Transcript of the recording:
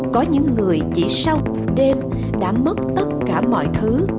có những người chỉ sau một đêm đã mất tất cả mọi thứ